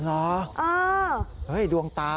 หลายคนบอกว่ามันเกียรติมาก